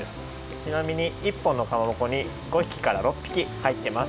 ちなみに１本のかまぼこに５ひきから６ぴき入ってます。